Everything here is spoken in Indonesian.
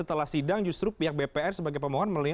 setelah sidang justru pihak bpr sebagai pemohon